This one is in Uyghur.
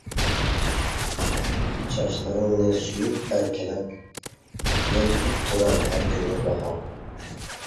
چاچلىرىڭنى سۆيۈپ ئەركىلەپ، يەلپۈپ تۇرار ھەر كۈنى باھار.